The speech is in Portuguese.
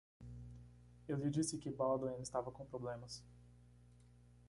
Eu lhe disse que Baldwin estava com problemas.